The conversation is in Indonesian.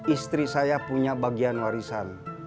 istri saya punya bagian warisan